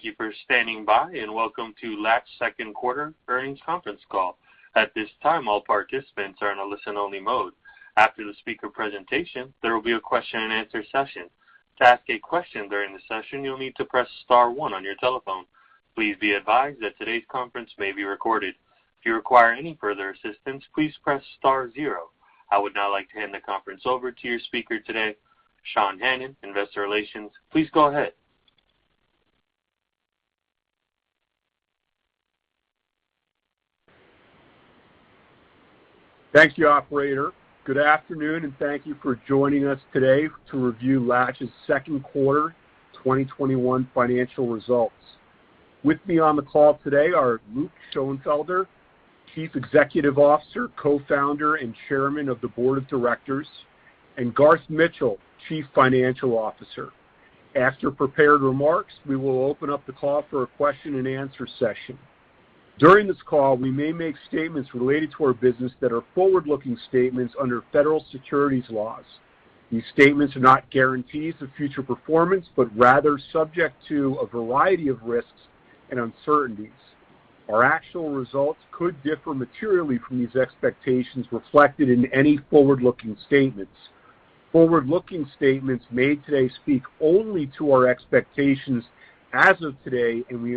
Hello. Thank you for standing by, and welcome to Latch second quarter earnings conference call. At this time, all participants are in a listen only mode. After the speaker presentation, there will be a question and answer session. To ask a question during the session, you'll need to press star one on your telephone. Please be advised that today's conference may be recorded. If you require any further assistance, please press star zero. I would now like to hand the conference over to your speaker today, Sean Hannon, Investor Relations. Please go ahead. Thank you, operator. Good afternoon, and thank you for joining us today to review Latch's second quarter 2021 financial results. With me on the call today are Luke Schoenfelder, Chief Executive Officer, Co-founder, and Chairman of the Board of Directors, and Garth Mitchell, Chief Financial Officer. After prepared remarks, we will open up the call for a question and answer session. During this call, we may make statements related to our business that are forward-looking statements under Federal securities laws. These statements are not guarantees of future performance, but rather subject to a variety of risks and uncertainties. Our actual results could differ materially from these expectations reflected in any forward-looking statements. Forward-looking statements made today speak only to our expectations as of today, and we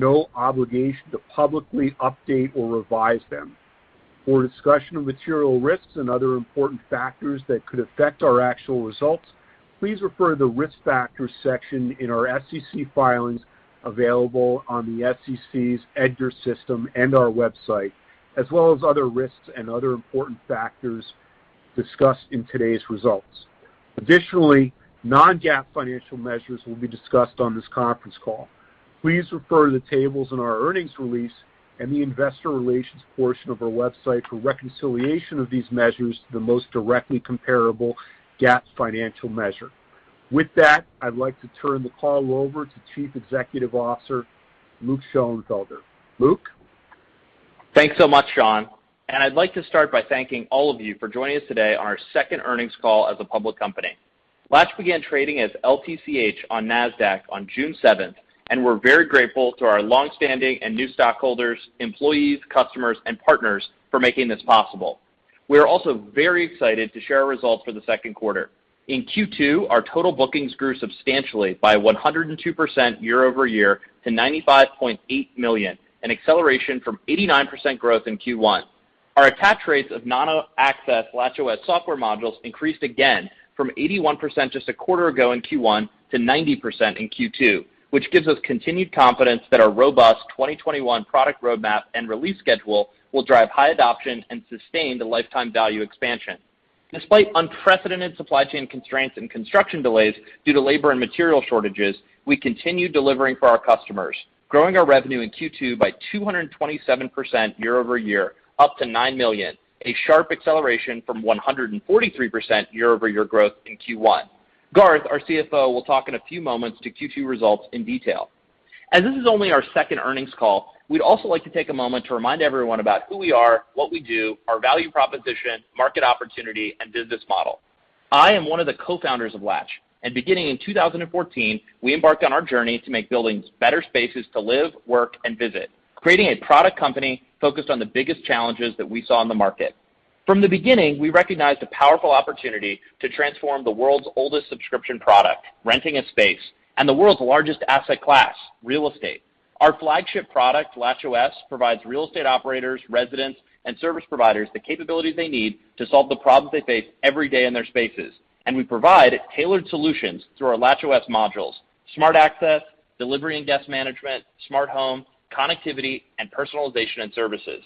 undertake no obligation to publicly update or revise them. For a discussion of material risks and other important factors that could affect our actual results, please refer to the Risk Factors section in our SEC filings available on the SEC's EDGAR system and our website, as well as other risks and other important factors discussed in today's results. Additionally, non-GAAP financial measures will be discussed on this conference call. Please refer to the tables in our earnings release and the investor relations portion of our website for reconciliation of these measures to the most directly comparable GAAP financial measure. With that, I'd like to turn the call over to Chief Executive Officer, Luke Schoenfelder. Luke? Thanks so much, Sean, I'd like to start by thanking all of you for joining us today on our second earnings call as a public company. Latch began trading as LTCH on Nasdaq on June 7th. We're very grateful to our longstanding and new stockholders, employees, customers, and partners for making this possible. We are also very excited to share our results for the second quarter. In Q2, our total bookings grew substantially by 102%YoY to $95.8 million, an acceleration from 89% growth in Q1. Our attach rates of Smart Access LatchOS software modules increased again from 81% just a quarter ago in Q1 to 90% in Q2, which gives us continued confidence that our robust 2021 product roadmap and release schedule will drive high adoption and sustain the lifetime value expansion. Despite unprecedented supply chain constraints and construction delays due to labor and material shortages, we continue delivering for our customers, growing our revenue in Q2 by 227% YoY up to $9 million, a sharp acceleration from 143% YoY growth in Q1. Garth, our CFO, will talk in a few moments to Q2 results in detail. As this is only our second earnings call, we'd also like to take a moment to remind everyone about who we are, what we do, our value proposition, market opportunity, and business model. I am one of the co-founders of Latch, and beginning in 2014, we embarked on our journey to make buildings better spaces to live, work, and visit, creating a product company focused on the biggest challenges that we saw in the market. From the beginning, we recognized the powerful opportunity to transform the world's oldest subscription product, renting a space, and the world's largest asset class, real estate. Our flagship product, LatchOS, provides real estate operators, residents, and service providers the capabilities they need to solve the problems they face every day in their spaces, and we provide tailored solutions through our LatchOS modules: Smart Access, delivery and guest management, Smart Home, connectivity, and personalization and services.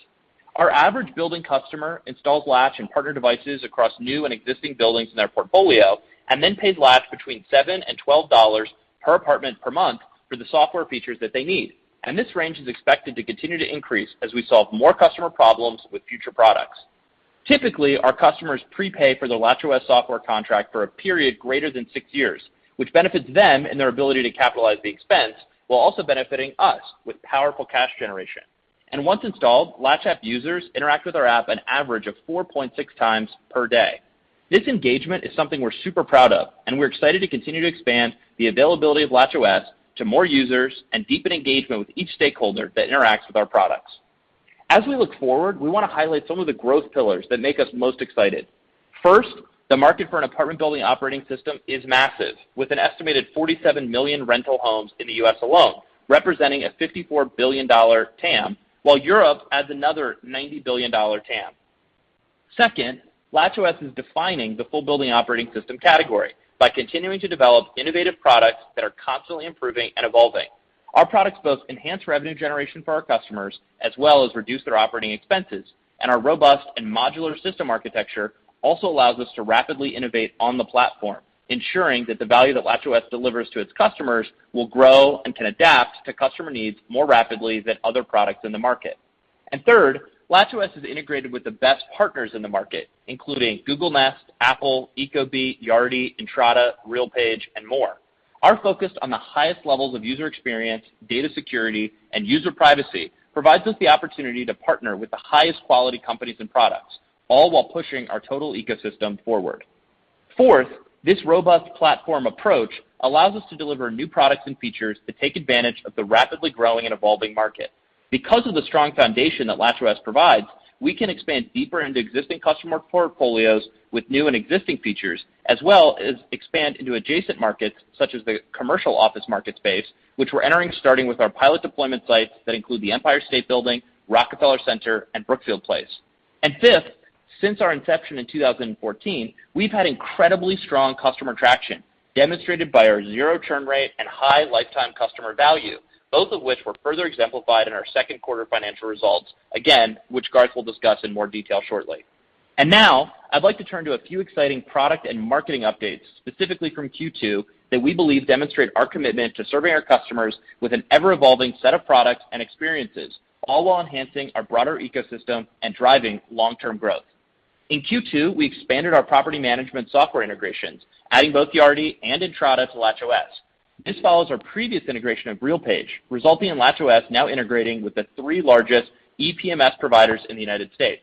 Our average building customer installs Latch and partner devices across new and existing buildings in their portfolio, and then pays Latch between $7 and $12 per apartment per month for the software features that they need. This range is expected to continue to increase as we solve more customer problems with future products. Typically, our customers prepay for their LatchOS software contract for a period greater than six years, which benefits them in their ability to capitalize the expense, while also benefiting us with powerful cash generation. Once installed, Latch App users interact with our app an average of 4.6x per day. This engagement is something we're super proud of, and we're excited to continue to expand the availability of LatchOS to more users and deepen engagement with each stakeholder that interacts with our products. As we look forward, we want to highlight some of the growth pillars that make us most excited. First, the market for an apartment building operating system is massive, with an estimated 47 million rental homes in the U.S. alone, representing a $54 billion TAM, while Europe adds another $90 billion TAM. Second, LatchOS is defining the full building operating system category by continuing to develop innovative products that are constantly improving and evolving. Our products both enhance revenue generation for our customers, as well as reduce their operating expenses. Our robust and modular system architecture also allows us to rapidly innovate on the platform, ensuring that the value that LatchOS delivers to its customers will grow and can adapt to customer needs more rapidly than other products in the market. Third, LatchOS is integrated with the best partners in the market, including Google Nest, Apple, Ecobee, Yardi, Entrata, RealPage, and more. Our focus on the highest levels of user experience, data security, and user privacy provides us the opportunity to partner with the highest quality companies and products. All while pushing our total ecosystem forward. Fourth, this robust platform approach allows us to deliver new products and features to take advantage of the rapidly growing and evolving market. Because of the strong foundation that LatchOS provides, we can expand deeper into existing customer portfolios with new and existing features, as well as expand into adjacent markets, such as the commercial office market space, which we're entering starting with our pilot deployment sites that include the Empire State Building, Rockefeller Center, and Brookfield Place. Fifth, since our inception in 2014, we've had incredibly strong customer traction, demonstrated by our zero churn rate and high lifetime customer value, both of which were further exemplified in our second quarter financial results, again, which Garth will discuss in more detail shortly. Now I'd like to turn to a few exciting product and marketing updates specifically from Q2 that we believe demonstrate our commitment to serving our customers with an ever-evolving set of products and experiences, all while enhancing our broader ecosystem and driving long-term growth. In Q2, we expanded our property management software integrations, adding both Yardi and Entrata to LatchOS. This follows our previous integration of RealPage, resulting in LatchOS now integrating with the three largest EPMS providers in the U.S.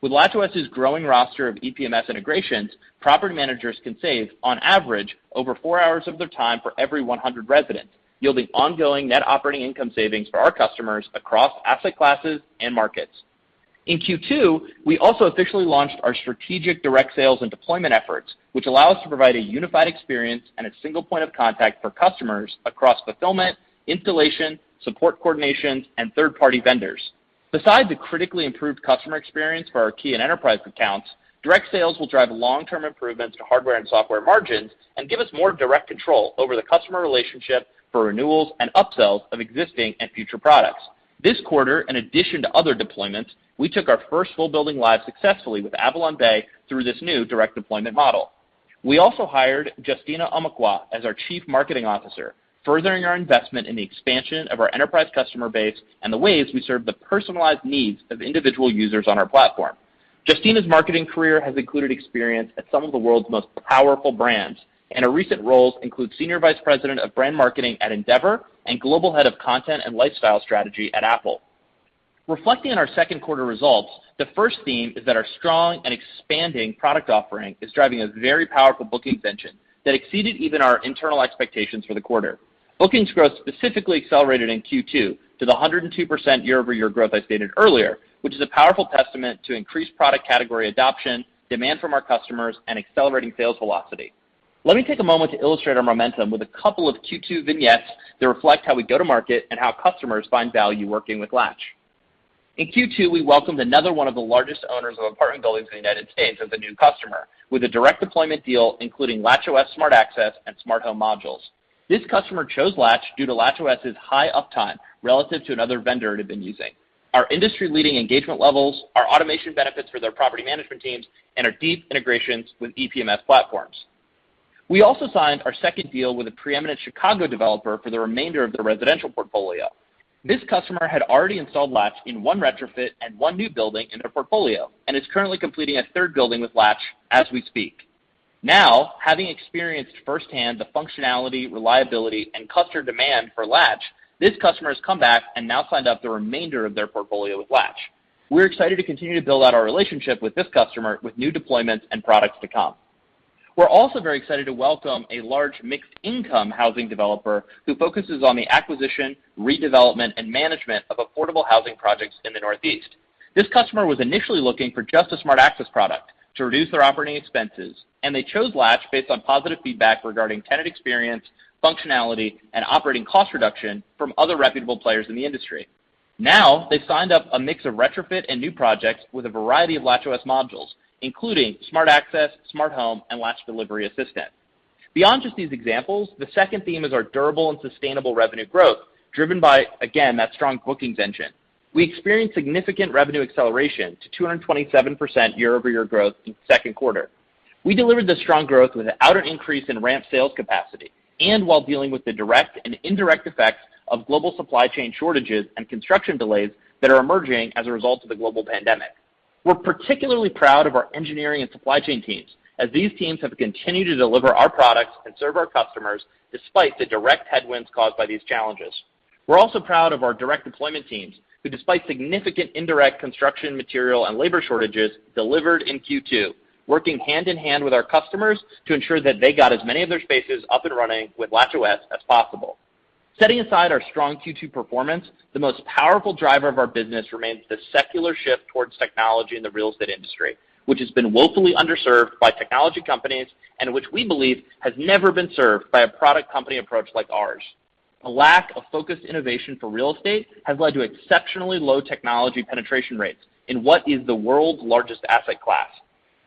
With LatchOS's growing roster of EPMS integrations, property managers can save, on average, over four hours of their time for every 100 residents, yielding ongoing net operating income savings for our customers across asset classes and markets. In Q2, we also officially launched our strategic direct sales and deployment efforts, which allow us to provide a unified experience and a single point of contact for customers across fulfillment, installation, support coordination, and third-party vendors. Besides the critically improved customer experience for our key and enterprise accounts, direct sales will drive long-term improvements to hardware and software margins and give us more direct control over the customer relationship for renewals and upsells of existing and future products. This quarter, in addition to other deployments, we took our first full building live successfully with AvalonBay through this new direct deployment model. We also hired Justina Omokhua as our Chief Marketing Officer, furthering our investment in the expansion of our enterprise customer base and the ways we serve the personalized needs of individual users on our platform. Justina's marketing career has included experience at some of the world's most powerful brands, and her recent roles include senior vice president of brand marketing at Endeavor and global head of content and lifestyle strategy at Apple. Reflecting on our second quarter results, the first theme is that our strong and expanding product offering is driving a very powerful bookings engine that exceeded even our internal expectations for the quarter. Bookings growth specifically accelerated in Q2 to the 102% YoY growth I stated earlier, which is a powerful testament to increased product category adoption, demand from our customers, and accelerating sales velocity. Let me take a moment to illustrate our momentum with a couple of Q2 vignettes that reflect how we go to market and how customers find value working with Latch. In Q2, we welcomed another one of the largest owners of apartment buildings in the U.S. as a new customer with a direct deployment deal including LatchOS Smart Access and Smart Home modules. This customer chose Latch due to LatchOS's high uptime relative to another vendor it had been using, our industry-leading engagement levels, our automation benefits for their property management teams, and our deep integrations with EPMS platforms. We also signed our second deal with a preeminent Chicago developer for the remainder of their residential portfolio. This customer had already installed Latch in one retrofit and one new building in their portfolio and is currently completing a third building with Latch as we speak. Now, having experienced firsthand the functionality, reliability, and customer demand for Latch, this customer has come back and now signed up the remainder of their portfolio with Latch. We're excited to continue to build out our relationship with this customer with new deployments and products to come. We're also very excited to welcome a large mixed-income housing developer who focuses on the acquisition, redevelopment, and management of affordable housing projects in the Northeast. This customer was initially looking for just a Smart Access product to reduce their operating expenses, and they chose Latch based on positive feedback regarding tenant experience, functionality, and operating cost reduction from other reputable players in the industry. Now they've signed up a mix of retrofit and new projects with a variety of LatchOS modules, including Smart Access, Smart Home, and Latch Delivery Assistant. Beyond just these examples, the second theme is our durable and sustainable revenue growth, driven by, again, that strong bookings engine. We experienced significant revenue acceleration to 227% YoY growth in the second quarter. We delivered this strong growth without an increase in ramp sales capacity and while dealing with the direct and indirect effects of global supply chain shortages and construction delays that are emerging as a result of the global pandemic. We're particularly proud of our engineering and supply chain teams, as these teams have continued to deliver our products and serve our customers despite the direct headwinds caused by these challenges. We're also proud of our direct deployment teams, who despite significant indirect construction material and labor shortages, delivered in Q2, working hand in hand with our customers to ensure that they got as many of their spaces up and running with LatchOS as possible. Setting aside our strong Q2 performance, the most powerful driver of our business remains the secular shift towards technology in the real estate industry, which has been woefully underserved by technology companies and which we believe has never been served by a product company approach like ours. A lack of focused innovation for real estate has led to exceptionally low technology penetration rates in what is the world's largest asset class.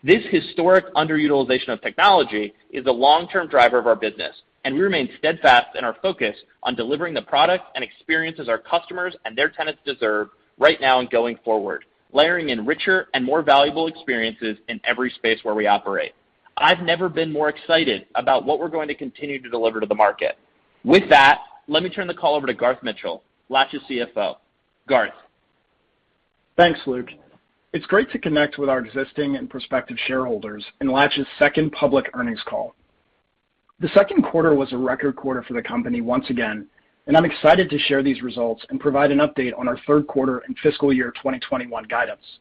This historic underutilization of technology is a long-term driver of our business, and we remain steadfast in our focus on delivering the product and experiences our customers and their tenants deserve right now and going forward, layering in richer and more valuable experiences in every space where we operate. I've never been more excited about what we're going to continue to deliver to the market. With that, let me turn the call over to Garth Mitchell, Latch's CFO. Garth? Thanks, Luke. It's great to connect with our existing and prospective shareholders in Latch's second public earnings call. The second quarter was a record quarter for the company once again, and I'm excited to share these results and provide an update on our third quarter and fiscal year 2021 guidance.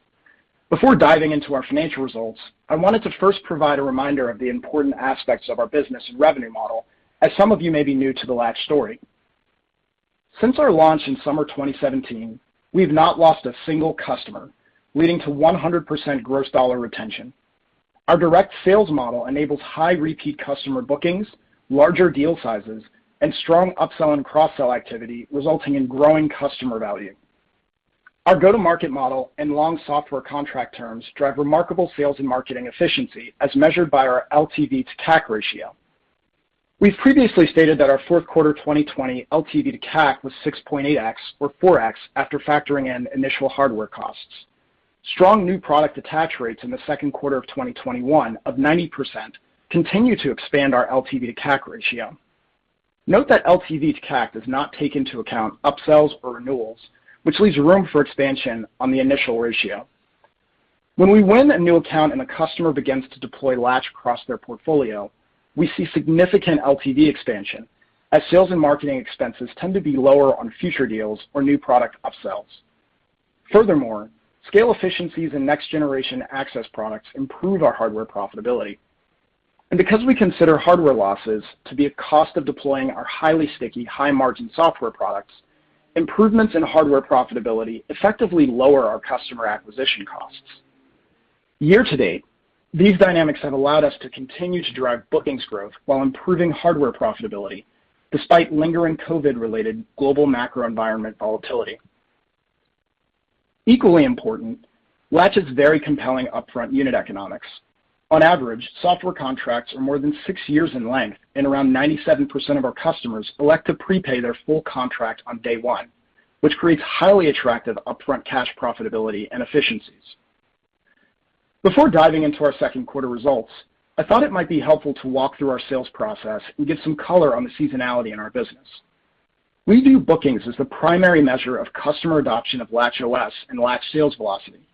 Before diving into our financial results, I wanted to first provide a reminder of the important aspects of our business and revenue model, as some of you may be new to the Latch story. Since our launch in summer 2017, we've not lost a single customer, leading to 100% gross dollar retention. Our direct sales model enables high repeat customer bookings, larger deal sizes, and strong upsell and cross-sell activity, resulting in growing customer value. Our go-to-market model and long software contract terms drive remarkable sales and marketing efficiency, as measured by our LTV to CAC ratio. We've previously stated that our 4th quarter 2020 LTV to CAC was 6.8x or 4x after factoring in initial hardware costs. Strong new product attach rates in the second quarter of 2021 of 90% continue to expand our LTV to CAC ratio. Note that LTV to CAC does not take into account upsells or renewals, which leaves room for expansion on the initial ratio. When we win a new account and the customer begins to deploy Latch across their portfolio, we see significant LTV expansion as sales and marketing expenses tend to be lower on future deals or new product upsells. Furthermore, scale efficiencies in next generation access products improve our hardware profitability. Because we consider hardware losses to be a cost of deploying our highly sticky, high-margin software products, improvements in hardware profitability effectively lower our customer acquisition costs. Year to date, these dynamics have allowed us to continue to drive bookings growth while improving hardware profitability, despite lingering COVID-related global macro environment volatility. Equally important, Latch has very compelling upfront unit economics. On average, software contracts are more than six years in length, and around 97% of our customers elect to prepay their full contract on day one, which creates highly attractive upfront cash profitability and efficiencies. Before diving into our second quarter results, I thought it might be helpful to walk through our sales process and give some color on the seasonality in our business. We view bookings as the primary measure of customer adoption of LatchOS and Latch sales velocity.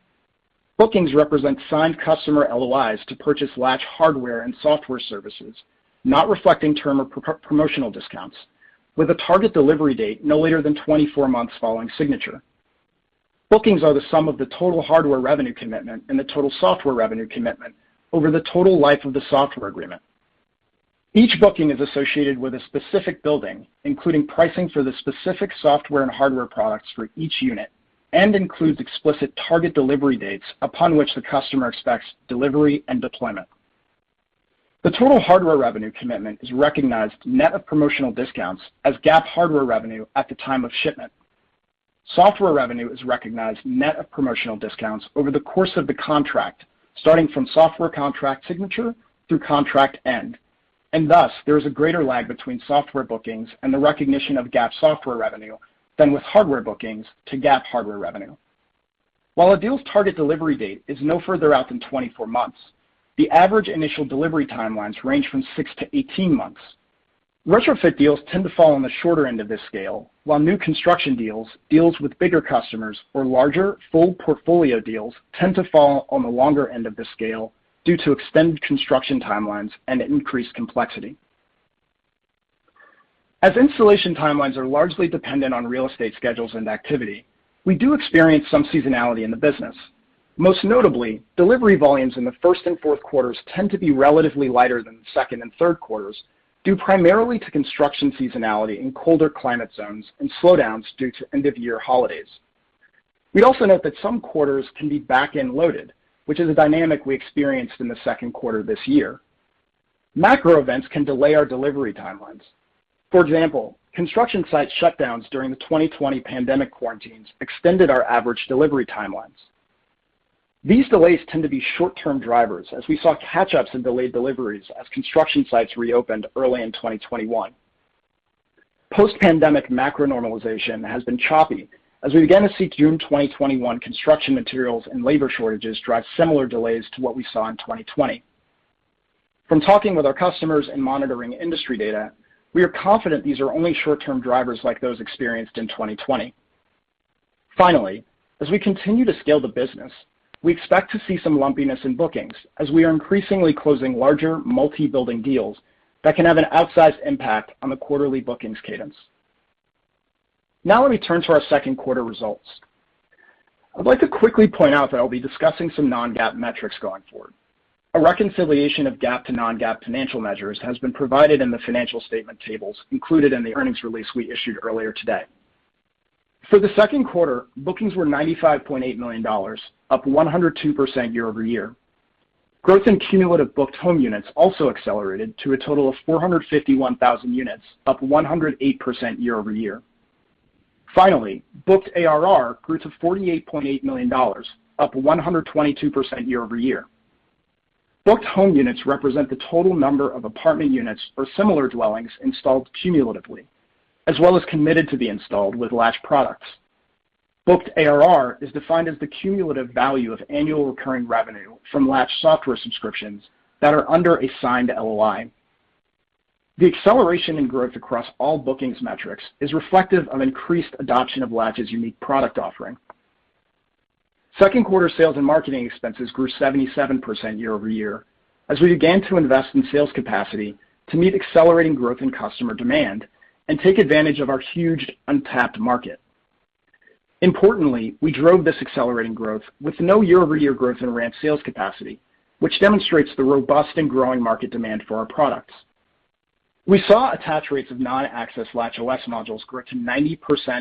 Bookings represent signed customer LOIs to purchase Latch hardware and software services, not reflecting term or promotional discounts, with a target delivery date no later than 24 months following signature. Bookings are the sum of the total hardware revenue commitment and the total software revenue commitment over the total life of the software agreement. Each booking is associated with a specific building, including pricing for the specific software and hardware products for each unit, and includes explicit target delivery dates upon which the customer expects delivery and deployment. The total hardware revenue commitment is recognized net of promotional discounts as GAAP hardware revenue at the time of shipment. Software revenue is recognized net of promotional discounts over the course of the contract, starting from software contract signature through contract end, and thus, there is a greater lag between software bookings and the recognition of GAAP software revenue than with hardware bookings to GAAP hardware revenue. While a deal's target delivery date is no further out than 24 months, the average initial delivery timelines range from six to 18 months. Retrofit deals tend to fall on the shorter end of this scale, while new construction deals with bigger customers, or larger full portfolio deals tend to fall on the longer end of the scale due to extended construction timelines and increased complexity. As installation timelines are largely dependent on real estate schedules and activity, we do experience some seasonality in the business. Most notably, delivery volumes in the first and fourth quarters tend to be relatively lighter than the second and third quarters, due primarily to construction seasonality in colder climate zones and slowdowns due to end-of-year holidays. We also note that some quarters can be back-end loaded, which is a dynamic we experienced in the second quarter this year. Macro events can delay our delivery timelines. For example, construction site shutdowns during the 2020 pandemic quarantines extended our average delivery timelines. These delays tend to be short-term drivers as we saw catch-ups in delayed deliveries as construction sites reopened early in 2021. Post-pandemic macro normalization has been choppy as we began to see June 2021 construction materials and labor shortages drive similar delays to what we saw in 2020. From talking with our customers and monitoring industry data, we are confident these are only short-term drivers like those experienced in 2020. As we continue to scale the business, we expect to see some lumpiness in bookings as we are increasingly closing larger multi-building deals that can have an outsized impact on the quarterly bookings cadence. Let me turn to our second quarter results. I'd like to quickly point out that I'll be discussing some non-GAAP metrics going forward. A reconciliation of GAAP to non-GAAP financial measures has been provided in the financial statement tables included in the earnings release we issued earlier today. For the second quarter, bookings were $95.8 million, up 102% YoY. Growth in cumulative booked home units also accelerated to a total of 451,000 units, up 108% YoY. Finally, booked ARR grew to $48.8 million, up 122% YoY. Booked home units represent the total number of apartment units or similar dwellings installed cumulatively, as well as committed to be installed with Latch products. Booked ARR is defined as the cumulative value of annual recurring revenue from Latch software subscriptions that are under a signed LOI. The acceleration in growth across all bookings metrics is reflective of increased adoption of Latch's unique product offering. Second quarter sales and marketing expenses grew 77% YoY as we began to invest in sales capacity to meet accelerating growth in customer demand and take advantage of our huge untapped market. Importantly, we drove this accelerating growth with no YoY growth in ramp sales capacity, which demonstrates the robust and growing market demand for our products. We saw attach rates of non-Smart Access LatchOS modules grow to 90%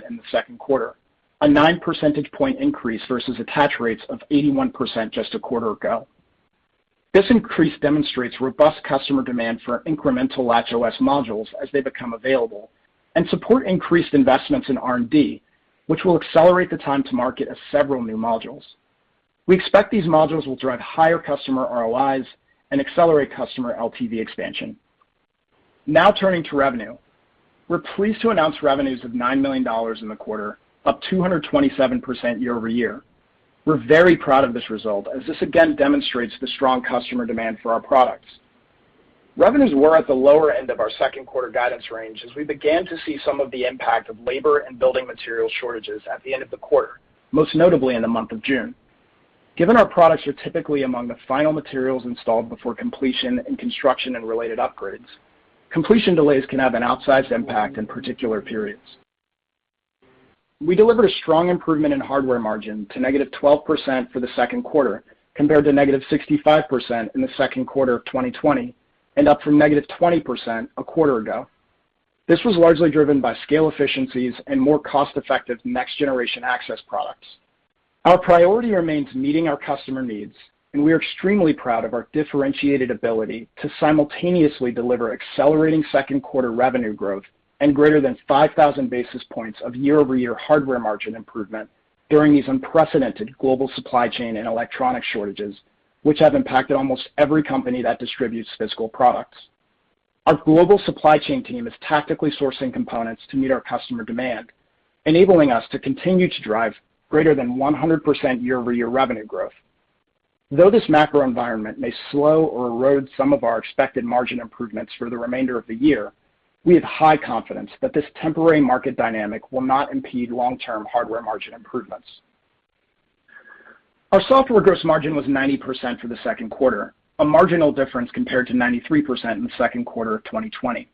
in the second quarter, a 9 percentage point increase versus attach rates of 81% just a quarter ago. This increase demonstrates robust customer demand for incremental LatchOS modules as they become available, and support increased investments in R&D, which will accelerate the time to market of several new modules. We expect these modules will drive higher customer ROIs and accelerate customer LTV expansion. Now turning to revenue. We're pleased to announce revenues of $9 million in the quarter, up 227% YoY. We're very proud of this result, as this again demonstrates the strong customer demand for our products. Revenues were at the lower end of our second quarter guidance range as we began to see some of the impact of labor and building material shortages at the end of the quarter, most notably in the month of June. Given our products are typically among the final materials installed before completion in construction and related upgrades, completion delays can have an outsized impact in particular periods. We delivered a strong improvement in hardware margin to -12% for the second quarter, compared to -65% in the second quarter of 2020, and up from -20% a quarter ago. This was largely driven by scale efficiencies and more cost-effective next generation Access products. Our priority remains meeting our customer needs, and we are extremely proud of our differentiated ability to simultaneously deliver accelerating second quarter revenue growth and greater than 5,000 basis points of YoY hardware margin improvement during these unprecedented global supply chain and electronic shortages, which have impacted almost every company that distributes physical products. Our global supply chain team is tactically sourcing components to meet our customer demand, enabling us to continue to drive greater than 100% YoY revenue growth. Though this macro environment may slow or erode some of our expected margin improvements for the remainder of the year, we have high confidence that this temporary market dynamic will not impede long-term hardware margin improvements. Our software gross margin was 90% for the second quarter, a marginal difference compared to 93% in the second quarter of 2020.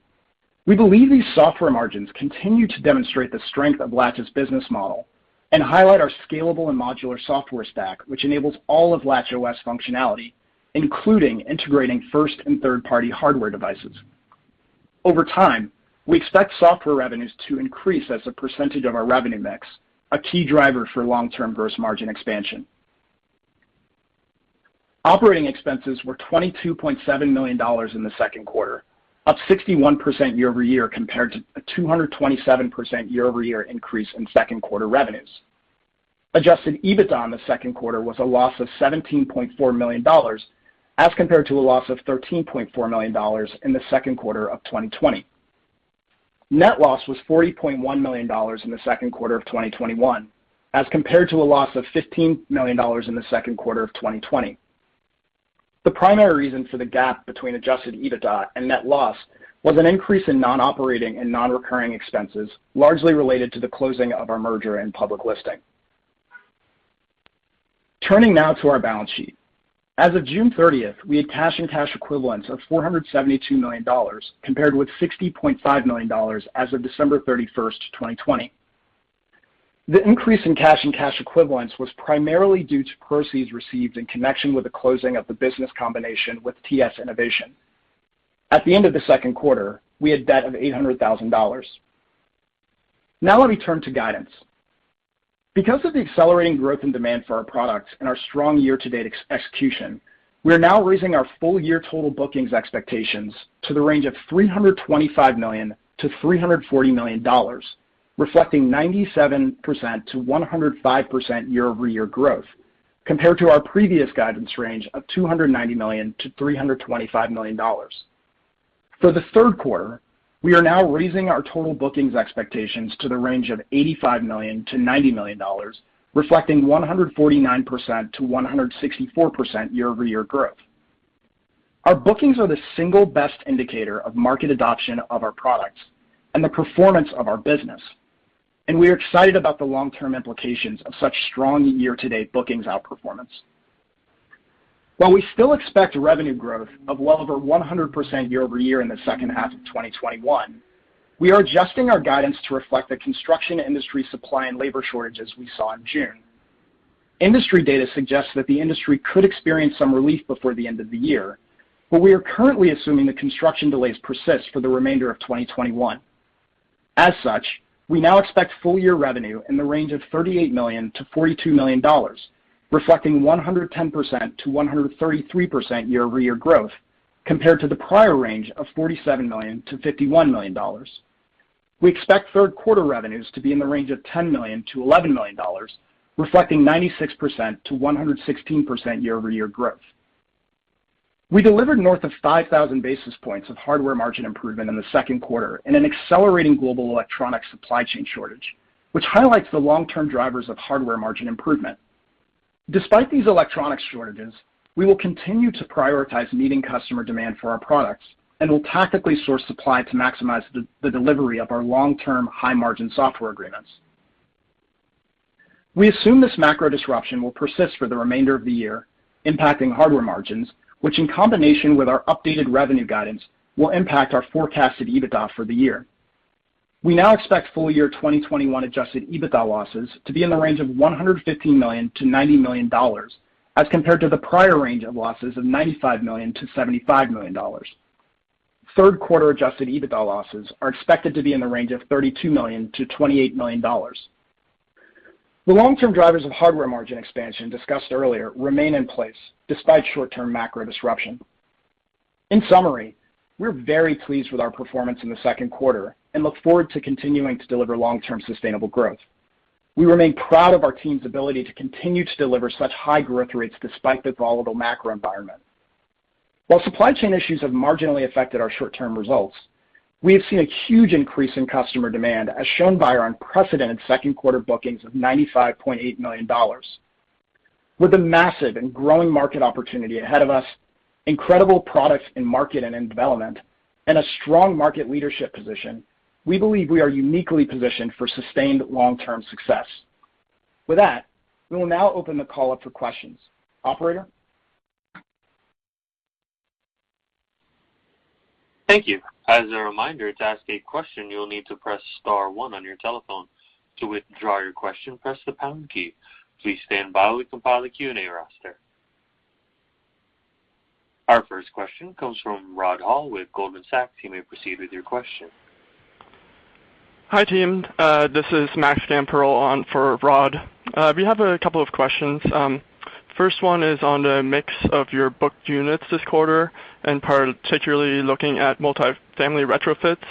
We believe these software margins continue to demonstrate the strength of Latch's business model and highlight our scalable and modular software stack, which enables all of LatchOS functionality, including integrating first and third-party hardware devices. Over time, we expect software revenues to increase as a percentage of our revenue mix, a key driver for long-term gross margin expansion. Operating expenses were $22.7 million in the second quarter, up 61% YoY compared to a 227% YoY increase in second quarter revenues. Adjusted EBITDA in the second quarter was a loss of $17.4 million, as compared to a loss of $13.4 million in the second quarter of 2020. Net loss was $40.1 million in the second quarter of 2021, as compared to a loss of $15 million in the second quarter of 2020. The primary reason for the gap between Adjusted EBITDA and net loss was an increase in non-operating and non-recurring expenses, largely related to the closing of our merger and public listing. Turning now to our balance sheet. As of June 30th, we had cash and cash equivalents of $472 million, compared with $60.5 million as of December 31st, 2020. The increase in cash and cash equivalents was primarily due to proceeds received in connection with the closing of the business combination with TS Innovation. At the end of the second quarter, we had debt of $800,000. Now let me turn to guidance. Because of the accelerating growth and demand for our products and our strong year-to-date execution, we are now raising our full year total bookings expectations to the range of $325 million-$340 million, reflecting 97%-105% YoY growth, compared to our previous guidance range of $290 million-$325 million. For the third quarter, we are now raising our total bookings expectations to the range of $85 million-$90 million, reflecting 149%-164% YoY growth. Our bookings are the single best indicator of market adoption of our products and the performance of our business, and we are excited about the long-term implications of such strong year-to-date bookings outperformance. While we still expect revenue growth of well over 100% YoY in the second half of 2021, we are adjusting our guidance to reflect the construction industry supply and labor shortages we saw in June. Industry data suggests that the industry could experience some relief before the end of the year. We are currently assuming the construction delays persist for the remainder of 2021. As such, we now expect full year revenue in the range of $38 million-$42 million, reflecting 110%-133% YoY growth, compared to the prior range of $47 million-$51 million. We expect third quarter revenues to be in the range of $10 million-$11 million, reflecting 96%-116% YoY growth. We delivered north of 5,000 basis points of hardware margin improvement in the second quarter in an accelerating global electronic supply chain shortage, which highlights the long-term drivers of hardware margin improvement. Despite these electronic shortages, we will continue to prioritize meeting customer demand for our products and will tactically source supply to maximize the delivery of our long-term high margin software agreements. We assume this macro disruption will persist for the remainder of the year, impacting hardware margins, which, in combination with our updated revenue guidance, will impact our forecasted EBITDA for the year. We now expect full year 2021 Adjusted EBITDA losses to be in the range of $115 million-$90 million, as compared to the prior range of losses of $95 million-$75 million. Third quarter Adjusted EBITDA losses are expected to be in the range of $32 million-$28 million. The long-term drivers of hardware margin expansion discussed earlier remain in place despite short-term macro disruption. In summary, we're very pleased with our performance in the second quarter and look forward to continuing to deliver long-term sustainable growth. We remain proud of our team's ability to continue to deliver such high growth rates despite the volatile macro environment. While supply chain issues have marginally affected our short-term results, we have seen a huge increase in customer demand, as shown by our unprecedented second quarter bookings of $95.8 million. With the massive and growing market opportunity ahead of us, incredible products in market and in development, and a strong market leadership position, we believe we are uniquely positioned for sustained long-term success. With that, we will now open the call up for questions. Operator? Thank you. As a reminder to ask a question you only need to press star one on your telephone. To withdraw your question press the pound key. Please stand by while we compile the Q&A roster. Our first question comes from Rod Hall with Goldman Sachs. You may proceed with your question. Hi, team. This is Max Gamperl on for Rod. We have a couple of questions. First one is on the mix of your booked units this quarter, and particularly looking at multifamily retrofits.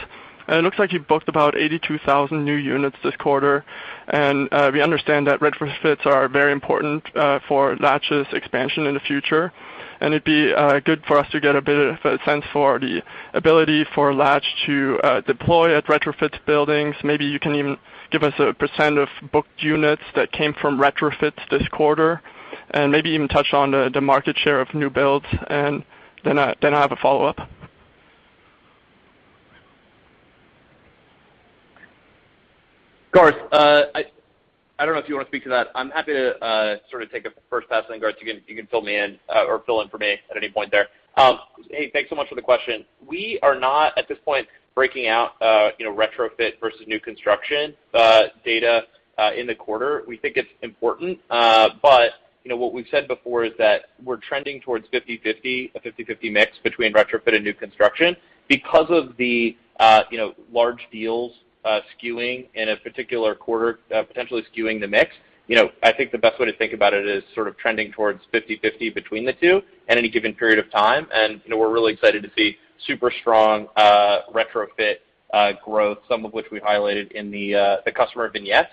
It looks like you've booked about 82,000 new units this quarter, and we understand that retrofits are very important for Latch's expansion in the future, and it'd be good for us to get a bit of a sense for the ability for Latch to deploy at retrofit buildings. Maybe you can even give us a percentage of booked units that came from retrofits this quarter, and maybe even touch on the market share of new builds. Then I have a follow-up. Garth, I don't know if you want to speak to that. I'm happy to take a first pass, and Garth, you can fill in for me at any point there. Hey, thanks so much for the question. We are not, at this point, breaking out retrofit versus new construction data in the quarter. We think it's important, but what we've said before is that we're trending towards a 50/50 mix between retrofit and new construction. Because of the large deals potentially skewing the mix, I think the best way to think about it is sort of trending towards 50/50 between the two at any given period of time. We're really excited to see super strong retrofit growth, some of which we highlighted in the customer vignettes.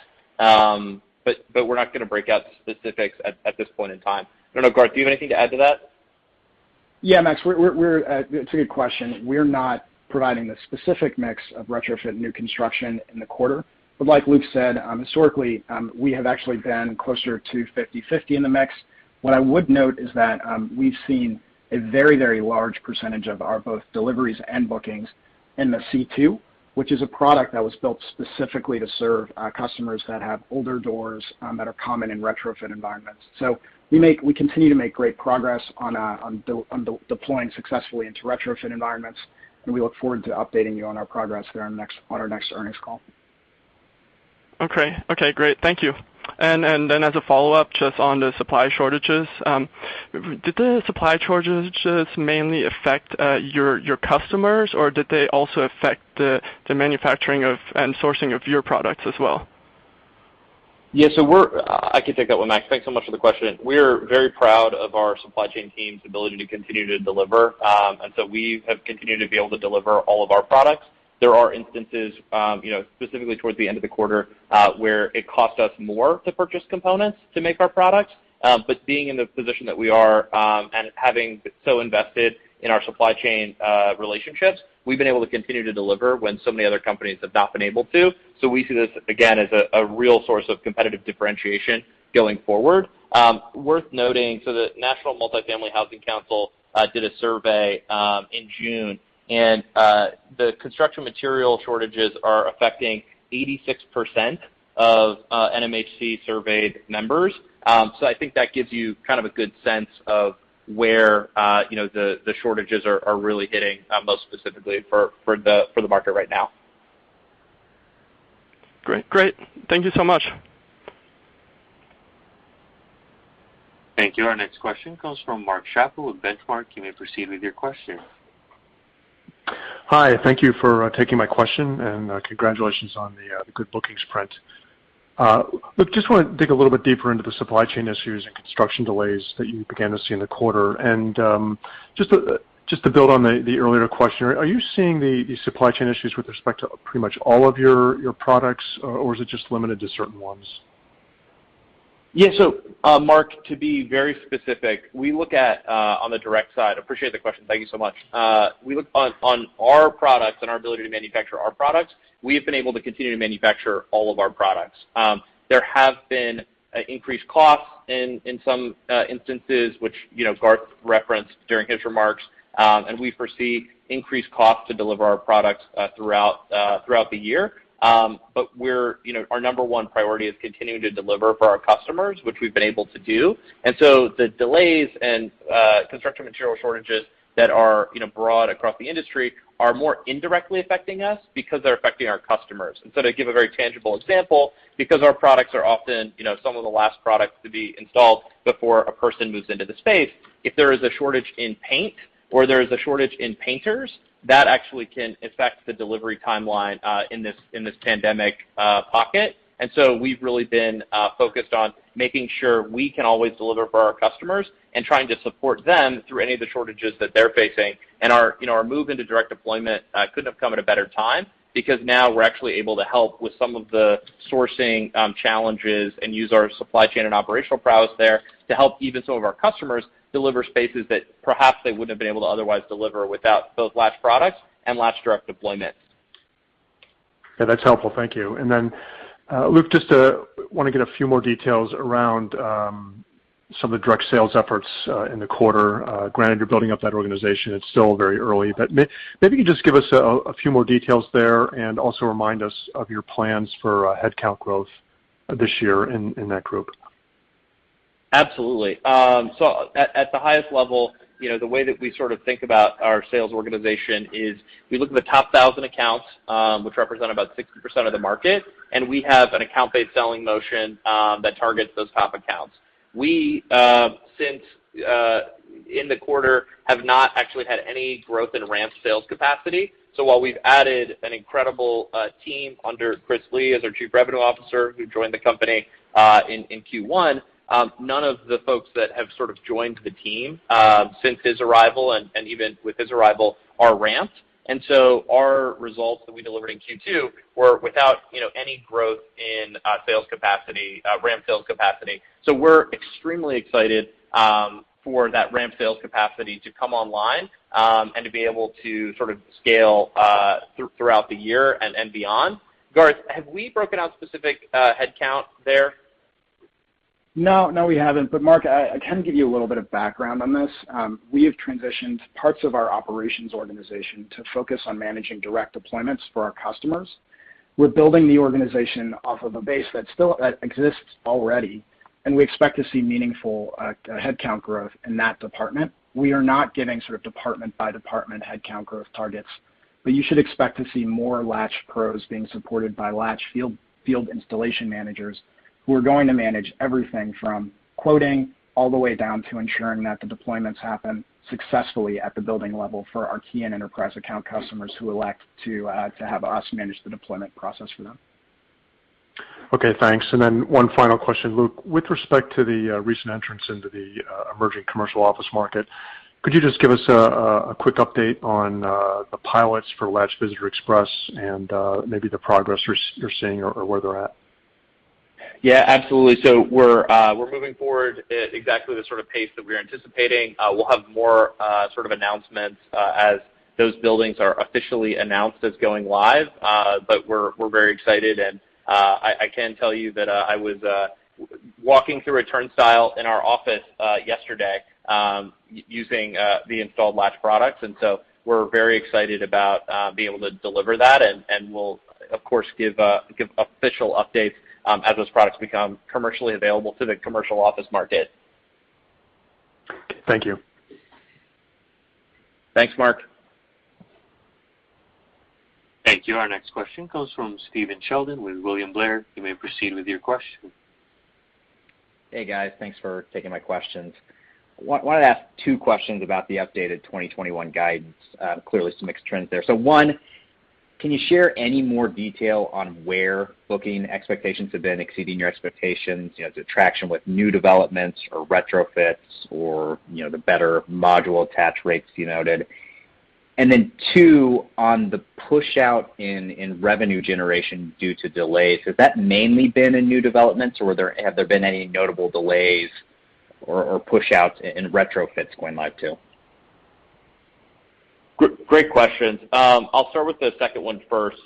We're not going to break out specifics at this point in time. I don't know, Garth, do you have anything to add to that? Max, it's a good question. We're not providing the specific mix of retrofit and new construction in the quarter. Like Luke said, historically, we have actually been closer to 50/50 in the mix. What I would note is that we've seen a very large percentage of our both deliveries and bookings in the C2, which is a product that was built specifically to serve customers that have older doors that are common in retrofit environments. We continue to make great progress on deploying successfully into retrofit environments, and we look forward to updating you on our progress there on our next earnings call. Okay. Great. Thank you. As a follow-up, just on the supply shortages, did the supply shortages mainly affect your customers, or did they also affect the manufacturing of and sourcing of your products as well? Yeah, I can take that one, Max. Thanks so much for the question. We have continued to be able to deliver all of our products. There are instances, specifically towards the end of the quarter, where it cost us more to purchase components to make our products. Being in the position that we are, and having so invested in our supply chain relationships, we've been able to continue to deliver when so many other companies have not been able to. We see this, again, as a real source of competitive differentiation going forward. Worth noting, the National Multifamily Housing Council did a survey in June, and the construction material shortages are affecting 86% of NMHC surveyed members. I think that gives you kind of a good sense of where the shortages are really hitting most specifically for the market right now. Great. Thank you so much. Thank you. Our next question comes from Mark Schappel with Benchmark. You may proceed with your question. Hi. Thank you for taking my question, and congratulations on the good bookings print. Luke, just want to dig a little bit deeper into the supply chain issues and construction delays that you began to see in the quarter. Just to build on the earlier question, are you seeing the supply chain issues with respect to pretty much all of your products, or is it just limited to certain ones? Yeah. Mark, to be very specific, we look at on the direct side. Appreciate the question. Thank you so much. We look on our products and our ability to manufacture our products. We have been able to continue to manufacture all of our products. There have been increased costs in some instances, which Garth referenced during his remarks. We foresee increased costs to deliver our products throughout the year. Our number one priority is continuing to deliver for our customers, which we've been able to do. The delays and construction material shortages that are broad across the industry are more indirectly affecting us because they're affecting our customers. To give a very tangible example, because our products are often some of the last products to be installed before a person moves into the space, if there is a shortage in paint or there is a shortage in painters, that actually can affect the delivery timeline in this pandemic pocket. We've really been focused on making sure we can always deliver for our customers and trying to support them through any of the shortages that they're facing. Our move into direct deployment couldn't have come at a better time because now we're actually able to help with some of the sourcing challenges and use our supply chain and operational prowess there to help even some of our customers deliver spaces that perhaps they wouldn't have been able to otherwise deliver without those Latch products and Latch direct deployment. Yeah, that's helpful. Thank you. Then Luke, just want to get a few more details around some of the direct sales efforts in the quarter. Granted, you're building up that organization, it's still very early, but maybe you can just give us a few more details there and also remind us of your plans for headcount growth this year in that group. Absolutely. At the highest level, the way that we think about our sales organization is we look at the top 1,000 accounts which represent about 60% of the market, and we have an account-based selling motion that targets those top accounts. We, since in the quarter, have not actually had any growth in ramped sales capacity. While we've added an incredible team under Chris Lee as our Chief Revenue Officer who joined the company in Q1, none of the folks that have joined the team since his arrival and even with his arrival are ramped. Our results that we delivered in Q2 were without any growth in ramp sales capacity. We're extremely excited for that ramp sales capacity to come online and to be able to scale throughout the year and beyond. Garth, have we broken out specific headcount there? No, we haven't. Mark, I can give you a little bit of background on this. We have transitioned parts of our operations organization to focus on managing direct deployments for our customers. We're building the organization off of a base that exists already. We expect to see meaningful headcount growth in that department. We are not giving department by department headcount growth targets. You should expect to see more Latch Pros being supported by Latch field installation managers who are going to manage everything from quoting all the way down to ensuring that the deployments happen successfully at the building level for our key and enterprise account customers who elect to have us manage the deployment process for them. Okay, thanks. One final question, Luke. With respect to the recent entrance into the emerging commercial office market, could you just give us a quick update on the pilots for Latch Visitor Express and maybe the progress you're seeing or where they're at? Yeah, absolutely. We're moving forward at exactly the sort of pace that we are anticipating. We'll have more announcements as those buildings are officially announced as going live. We're very excited and I can tell you that I was walking through a turnstile in our office yesterday using the installed Latch products. We're very excited about being able to deliver that, and we'll of course give official updates as those products become commercially available to the commercial office market. Thank you. Thanks, Mark. Thank you. Our next question comes from Stephen Sheldon with William Blair. You may proceed with your question. Hey guys. Thanks for taking my questions. Wanted to ask two questions about the updated 2021 guidance. Clearly some mixed trends there. One, can you share any more detail on where booking expectations have been exceeding your expectations? Is it traction with new developments or retrofits or the better module attach rates you noted? Two, on the push out in revenue generation due to delays, has that mainly been in new developments or have there been any notable delays or push outs in retrofits going live too? Great questions. I'll start with the second one first.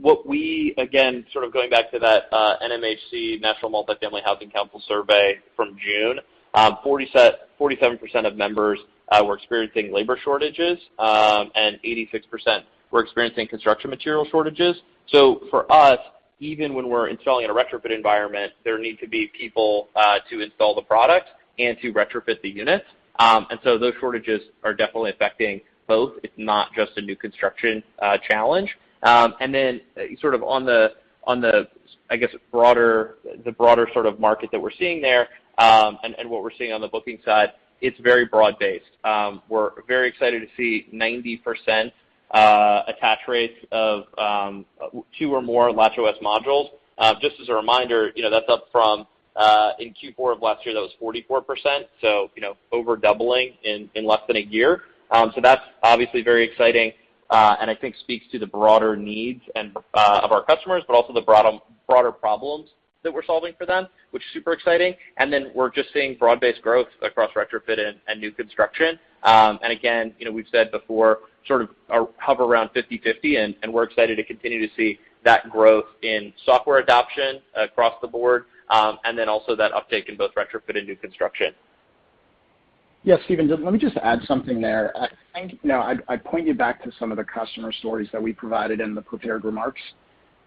What we, again, going back to that NMHC, National Multifamily Housing Council survey from June, 47% of members were experiencing labor shortages, and 86% were experiencing construction material shortages. For us, even when we're installing in a retrofit environment, there need to be people to install the product and to retrofit the units. Those shortages are definitely affecting both. It's not just a new construction challenge. On the, I guess, broader market that we're seeing there, and what we're seeing on the booking side, it's very broad based. We're very excited to see 90% attach rates of two or more LatchOS modules. Just as a reminder, that's up from in Q4 of last year that was 44%. Over doubling in less than a year. That's obviously very exciting. I think it speaks to the broader needs of our customers, but also the broader problems that we're solving for them, which is super exciting. We're just seeing broad-based growth across retrofit and new construction. We've said before, sort of hover around 50/50, and we're excited to continue to see that growth in software adoption across the board, and also that uptake in both retrofit and new construction. Yeah, Stephen, let me just add something there. I point you back to some of the customer stories that we provided in the prepared remarks.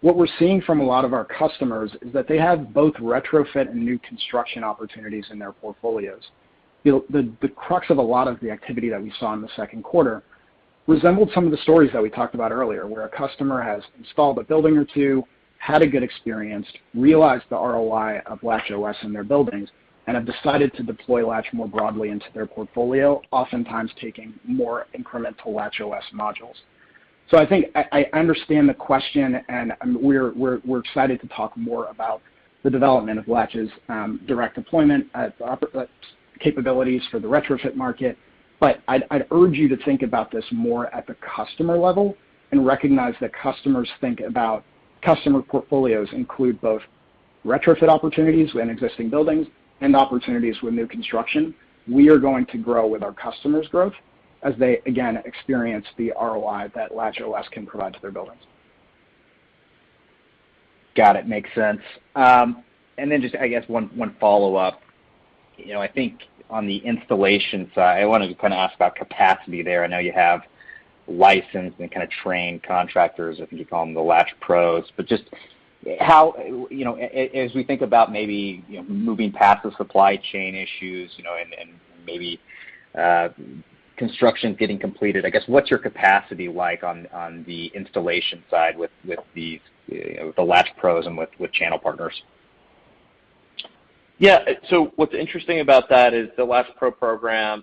What we're seeing from a lot of our customers is that they have both retrofit and new construction opportunities in their portfolios. The crux of a lot of the activity that we saw in the second quarter resembled some of the stories that we talked about earlier, where a customer has installed a building or two, had a good experience, realized the ROI of LatchOS in their buildings, and have decided to deploy Latch more broadly into their portfolio, oftentimes taking more incremental LatchOS modules. I think I understand the question, and we're excited to talk more about the development of Latch's direct deployment capabilities for the retrofit market. I'd urge you to think about this more at the customer level and recognize that customers think about customer portfolios include both retrofit opportunities in existing buildings and opportunities with new construction. We are going to grow with our customers' growth as they, again, experience the ROI that LatchOS can provide to their buildings. Got it. Makes sense. Just, I guess one follow-up. I think on the installation side, I wanted to kind of ask about capacity there. I know you have licensed and kind of trained contractors. I think you call them the Latch Pros. But as we think about maybe moving past the supply chain issues, and maybe construction getting completed, I guess what's your capacity like on the installation side with the Latch Pros and with channel partners? Yeah. What's interesting about that is the Latch Pros program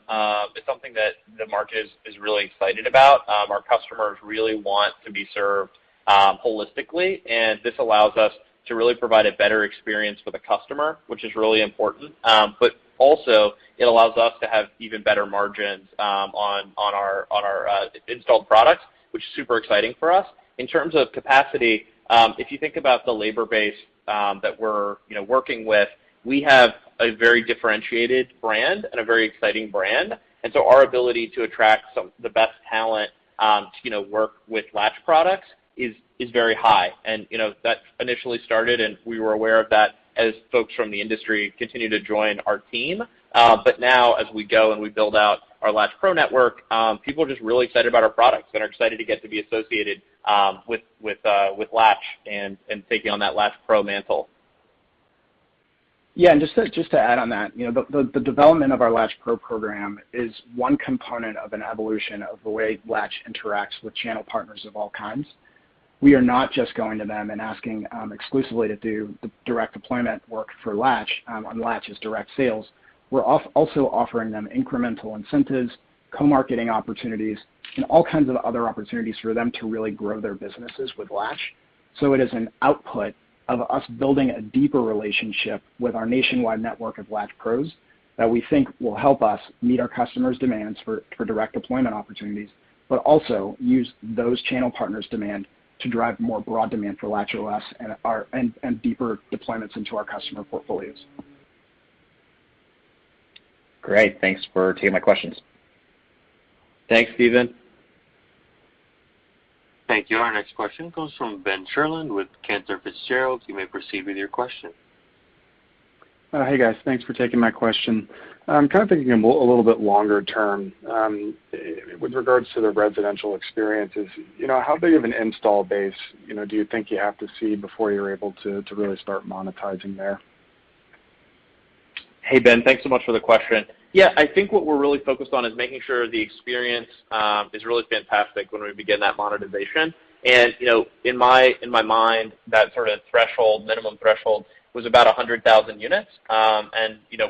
is something that the market is really excited about. Our customers really want to be served holistically, and this allows us to really provide a better experience for the customer, which is really important. Also it allows us to have even better margins on our installed products, which is super exciting for us. In terms of capacity, if you think about the labor base that we're working with, we have a very differentiated brand and a very exciting brand. Our ability to attract the best talent to work with Latch products is very high. That initially started, and we were aware of that as folks from the industry continued to join our team. Now as we go and we build out our Latch Pro network, people are just really excited about our products and are excited to get to be associated with Latch and taking on that Latch Pro mantle. Just to add on that. The development of our Latch Pros program is one component of an evolution of the way Latch interacts with channel partners of all kinds. We are not just going to them and asking exclusively to do the direct deployment work for Latch on Latch's direct sales. We're also offering them incremental incentives, co-marketing opportunities, and all kinds of other opportunities for them to really grow their businesses with Latch. It is an output of us building a deeper relationship with our nationwide network of Latch Pros that we think will help us meet our customers' demands for direct deployment opportunities. Also use those channel partners' demand to drive more broad demand for LatchOS and deeper deployments into our customer portfolios. Great. Thanks for taking my questions. Thanks, Stephen. Thank you. Our next question comes from Benjamin Sherlund with Cantor Fitzgerald. You may proceed with your question. Hey, guys. Thanks for taking my question. I'm kind of thinking a little bit longer term. With regards to the residential experiences, how big of an install base do you think you have to see before you're able to really start monetizing there? Hey, Ben. Thanks so much for the question. Yeah, I think what we're really focused on is making sure the experience is really fantastic when we begin that monetization. In my mind, that sort of minimum threshold was about 100,000 units.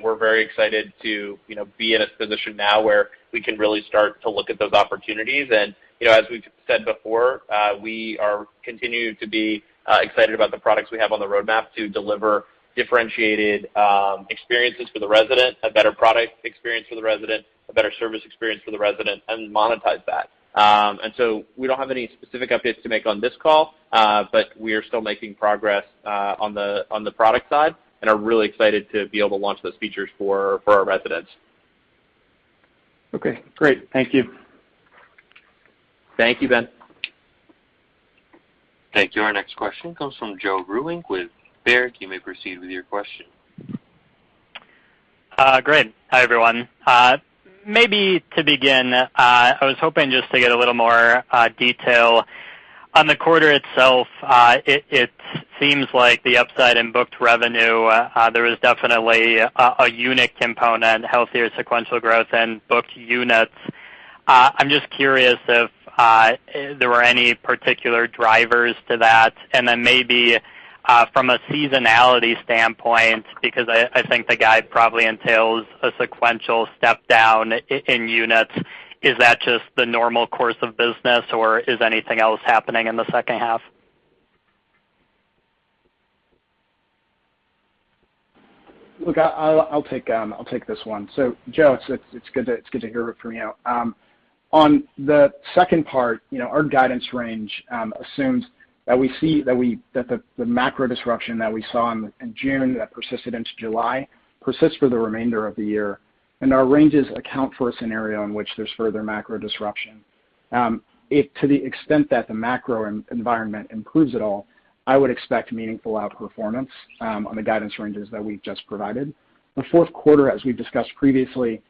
We're very excited to be in a position now where we can really start to look at those opportunities. As we've said before, we are continuing to be excited about the products we have on the roadmap to deliver differentiated experiences for the resident, a better product experience for the resident, a better service experience for the resident, and monetize that. We don't have any specific updates to make on this call. We are still making progress on the product side and are really excited to be able to launch those features for our residents. Okay, great. Thank you. Thank you, Ben. Thank you. Our next question comes from Joe Vruwink with Baird. You may proceed with your question. Great. Hi, everyone. Maybe to begin, I was hoping just to get a little more detail on the quarter itself. It seems like the upside in booked revenue, there was definitely a unit component, healthier sequential growth in booked units. I'm just curious if there were any particular drivers to that. Then maybe from a seasonality standpoint, because I think the guide probably entails a sequential step down in units. Is that just the normal course of business, or is anything else happening in the second half? I'll take this one. Joe, it's good to hear from you. On the second part, our guidance range assumes that we see that the macro disruption that we saw in June that persisted into July persists for the remainder of the year, and our ranges account for a scenario in which there's further macro disruption. If to the extent that the macro environment improves at all, I would expect meaningful outperformance on the guidance ranges that we've just provided. The fourth quarter, as we've discussed previously,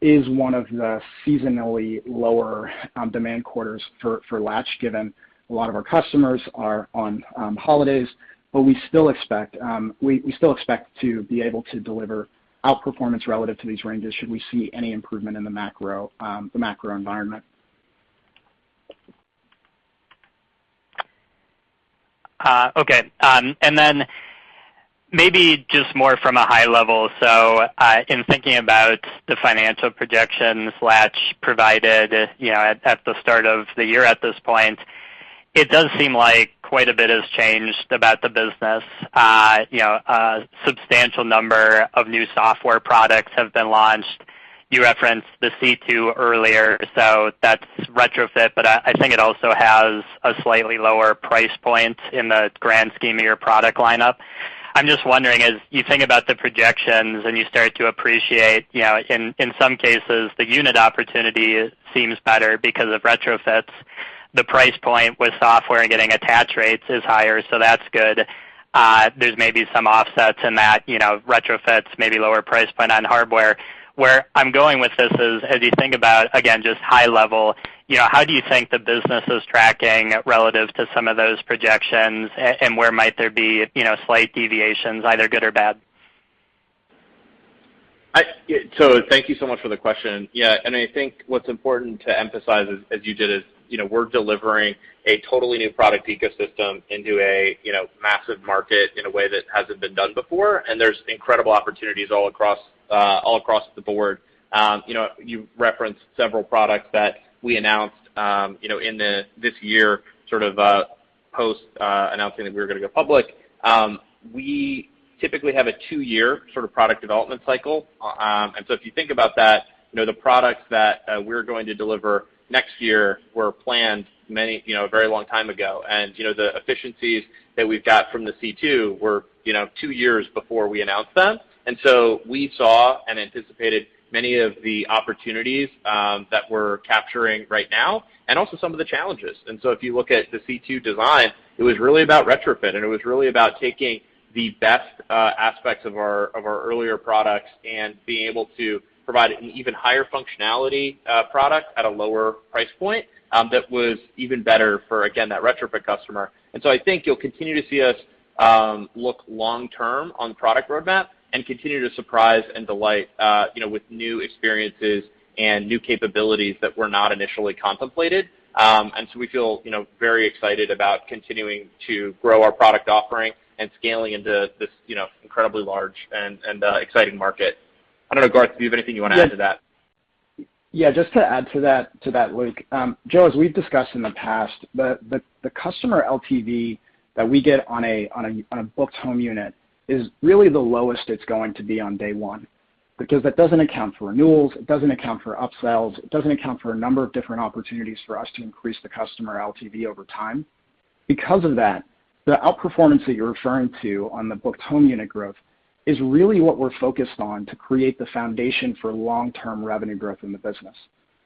is one of the seasonally lower demand quarters for Latch, given a lot of our customers are on holidays, but we still expect to be able to deliver outperformance relative to these ranges should we see any improvement in the macro environment. Okay. Maybe just more from a high level. In thinking about the financial projections Latch provided at the start of the year at this point, it does seem like quite a bit has changed about the business. A substantial number of new software products have been launched. You referenced the C2 earlier, so that's retrofit, but I think it also has a slightly lower price point in the grand scheme of your product lineup. I'm just wondering, as you think about the projections and you start to appreciate, in some cases, the unit opportunity seems better because of retrofits. The price point with software and getting attach rates is higher, so that's good. There's maybe some offsets in that, retrofits, maybe lower price point on hardware. Where I'm going with this is, as you think about, again, just high level, how do you think the business is tracking relative to some of those projections, and where might there be slight deviations, either good or bad? Thank you so much for the question. I think what's important to emphasize, as you did, is we're delivering a totally new product ecosystem into a massive market in a way that hasn't been done before, and there's incredible opportunities all across the board. You referenced several products that we announced in this year, sort of post-announcing that we were going to go public. We typically have a two-year sort of product development cycle, if you think about that, the products that we're going to deliver next year were planned a very long time ago. The efficiencies that we've got from the C2 were two years before we announced them. We saw and anticipated many of the opportunities that we're capturing right now and also some of the challenges. If you look at the C2 design, it was really about retrofit, and it was really about taking the best aspects of our earlier products and being able to provide an even higher functionality product at a lower price point that was even better for, again, that retrofit customer. I think you'll continue to see us look long term on product roadmap and continue to surprise and delight with new experiences and new capabilities that were not initially contemplated. We feel very excited about continuing to grow our product offering and scaling into this incredibly large and exciting market. I don't know, Garth, do you have anything you want to add to that? Yeah, just to add to that, Luke. Joe, as we've discussed in the past, the customer LTV that we get on a booked home unit is really the lowest it's going to be on day one, because that doesn't account for renewals, it doesn't account for upsells, it doesn't account for a number of different opportunities for us to increase the customer LTV over time. Because of that, the outperformance that you're referring to on the booked home unit growth is really what we're focused on to create the foundation for long-term revenue growth in the business.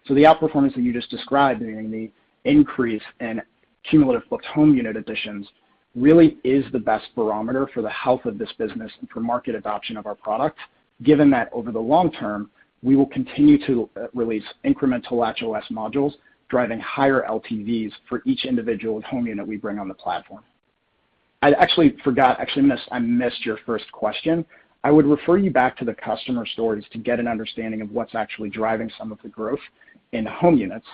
The outperformance that you just described during the increase in cumulative booked home unit additions really is the best barometer for the health of this business and for market adoption of our product, given that over the long term, we will continue to release incremental LatchOS modules, driving higher LTVs for each individual home unit we bring on the platform. Actually, I missed your first question. I would refer you back to the customer stories to get an understanding of what's actually driving some of the growth in home units.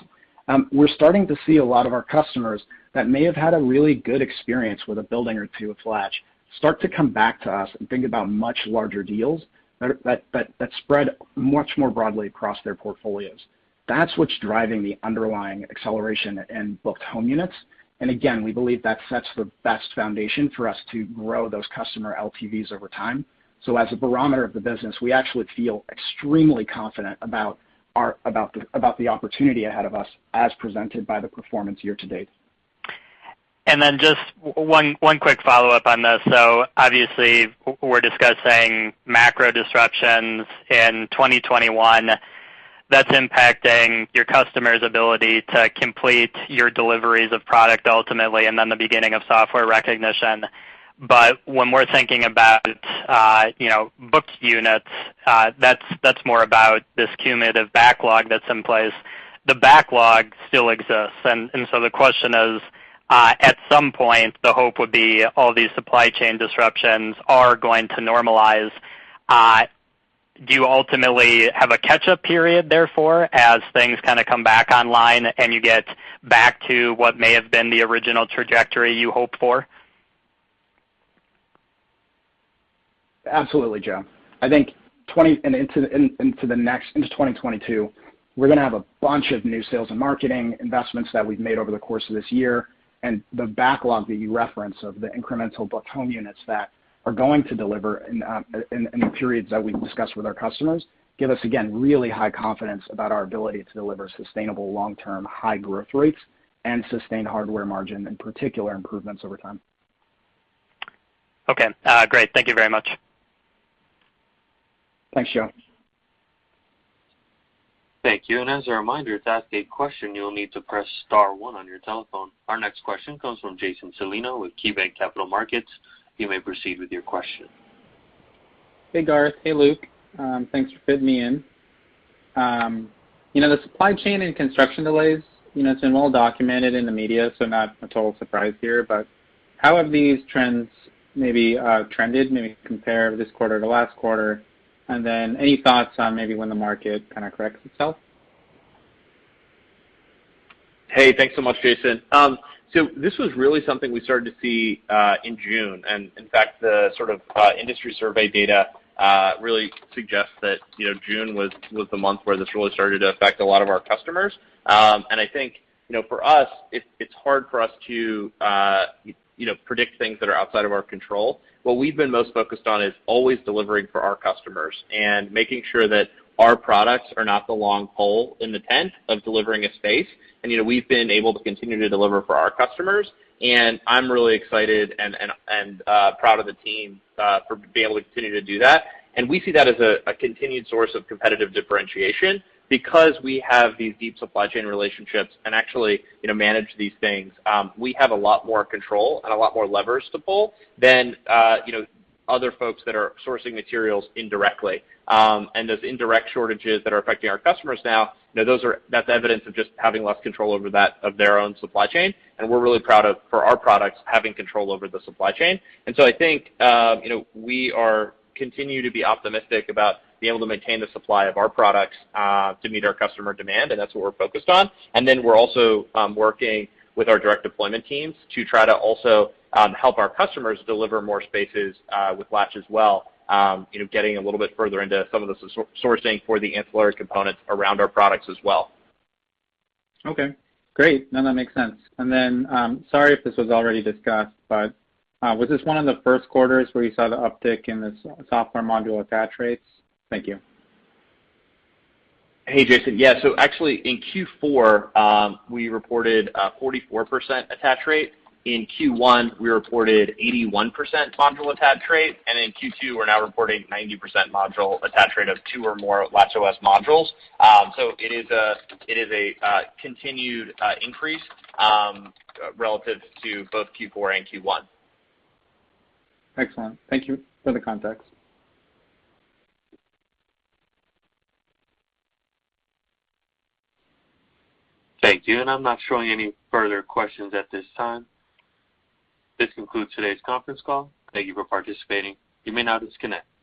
We're starting to see a lot of our customers that may have had a really good experience with a building or two with Latch start to come back to us and think about much larger deals that spread much more broadly across their portfolios. That's what's driving the underlying acceleration in booked home units. We believe that sets the best foundation for us to grow those customer LTVs over time. As a barometer of the business, we actually feel extremely confident about the opportunity ahead of us as presented by the performance year to date. Just one quick follow-up on this. Obviously we're discussing macro disruptions in 2021 that's impacting your customers' ability to complete your deliveries of product ultimately, and then the beginning of software recognition. When we're thinking about booked units, that's more about this cumulative backlog that's in place. The backlog still exists. The question is, at some point, the hope would be all these supply chain disruptions are going to normalize. Do you ultimately have a catch-up period, therefore, as things kind of come back online and you get back to what may have been the original trajectory you hoped for? Absolutely, Joe. 2020 and into 2022, we're going to have a bunch of new sales and marketing investments that we've made over the course of this year. The backlog that you reference of the incremental booked home units that are going to deliver in the periods that we've discussed with our customers give us, again, really high confidence about our ability to deliver sustainable long-term high growth rates and sustained hardware margin, in particular, improvements over time. Okay. Great. Thank you very much. Thanks, Joe. Thank you. As a reminder, to ask a question, you'll need to press star one on your telephone. Our next question comes from Jason Celino with KeyBanc Capital Markets. You may proceed with your question. Hey, Garth. Hey, Luke. Thanks for fitting me in. The supply chain and construction delays, it's been well documented in the media, so not a total surprise here, but how have these trends maybe trended, maybe compare this quarter to last quarter? Any thoughts on maybe when the market kind of corrects itself? Hey, thanks so much, Jason. This was really something we started to see in June. In fact, the industry survey data really suggests that June was the month where this really started to affect a lot of our customers. I think, for us, it's hard for us to predict things that are outside of our control. What we've been most focused on is always delivering for our customers and making sure that our products are not the long pole in the tent of delivering a space. We've been able to continue to deliver for our customers, and I'm really excited and proud of the team for being able to continue to do that. We see that as a continued source of competitive differentiation because we have these deep supply chain relationships and actually manage these things. We have a lot more control and a lot more levers to pull than other folks that are sourcing materials indirectly. Those indirect shortages that are affecting our customers now, that's evidence of just having less control over that of their own supply chain, and we're really proud of, for our products, having control over the supply chain. I think we continue to be optimistic about being able to maintain the supply of our products to meet our customer demand, and that's what we're focused on. We're also working with our direct deployment teams to try to also help our customers deliver more spaces with Latch as well, getting a little bit further into some of the sourcing for the ancillary components around our products as well. Okay, great. No, that makes sense. Sorry if this was already discussed, was this one of the first quarters where you saw the uptick in the software module attach rates? Thank you. Hey, Jason. Yeah, actually in Q4, we reported a 44% attach rate. In Q1, we reported 81% module attach rate, and in Q2, we're now reporting 90% module attach rate of two or more LatchOS modules. It is a continued increase relative to both Q4 and Q1. Excellent. Thank you for the context. Thank you. I'm not showing any further questions at this time. This concludes today's conference call. Thank you for participating. You may now disconnect.